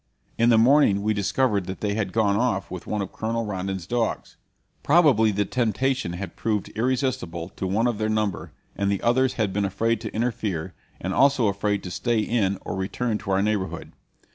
In the morning we discovered that they had gone off with one of Colonel Rondon's dogs. Probably the temptation had proved irresistible to one of their number, and the others had been afraid to interfere, and also afraid to stay in or return to our neighborhood.